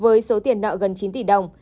với số tiền nợ gần chín tỷ đồng